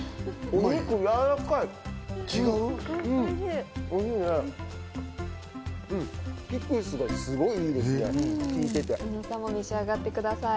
お肉やわらかい。